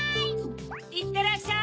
いってらっしゃい。